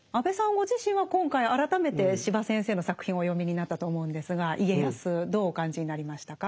ご自身は今回改めて司馬先生の作品をお読みになったと思うんですが家康どうお感じになりましたか？